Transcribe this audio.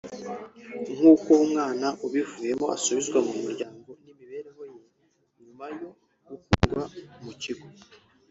n’uko umwana ibivuyemo asubizwa mu muryango n’imibereho ye nyuma yo gukurwa mu kigo